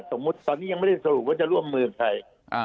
สมมุติตอนนี้ยังไม่ได้สรุปว่าจะร่วมมือใคร